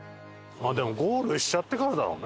ゴールしちゃってからだろうね